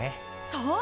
そう！